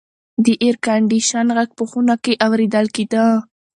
د اېرکنډیشن غږ په خونه کې اورېدل کېده.